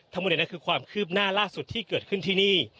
ทั้งหมดนี้คือความคืบหน้าล่าสุดที่เกิดขึ้นที่นี่